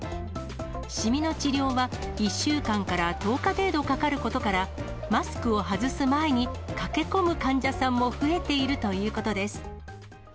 しみの治療は１週間から１０日程度かかることから、マスクを外す前に、駆け込む患者さんも増えているということです。